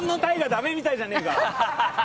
ダメみたいじゃねえか！